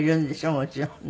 もちろんね。